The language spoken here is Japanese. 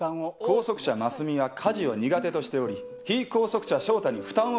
拘束者真純は家事を苦手としており被拘束者翔太に負担をかけております。